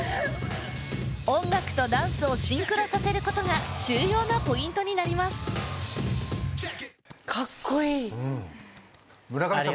音楽とダンスをシンクロさせることが重要なポイントになりますカッコイイ村上さん